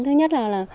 thứ nhất là